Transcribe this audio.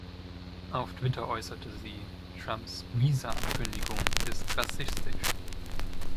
Auf Twitter äußerte sie: „Trumps Visa-Ankündigung ist rassistisch.